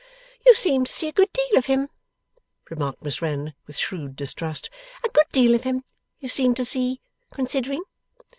'You seem to see a good deal of him,' remarked Miss Wren, with shrewd distrust. 'A good deal of him you seem to see, considering.